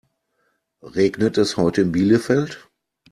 Regnet es heute in Bielefeld?